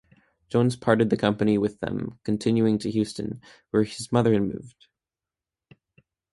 Jones parted company with them, continuing to Houston, where his mother had moved.